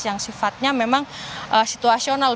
yang sifatnya memang situasional